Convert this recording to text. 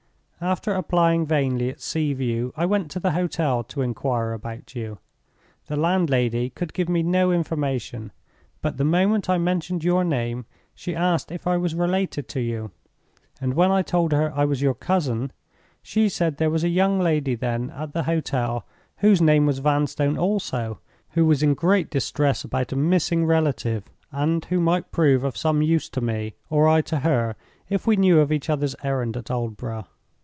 "After applying vainly at Sea View, I went to the hotel to inquire about you. The landlady could give me no information; but the moment I mentioned your name, she asked if I was related to you; and when I told her I was your cousin, she said there was a young lady then at the hotel whose name was Vanstone also, who was in great distress about a missing relative, and who might prove of some use to me—or I to her—if we knew of each other's errand at Aldborough.